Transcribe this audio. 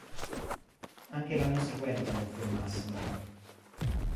Anche l'anno seguente non fu il massimo.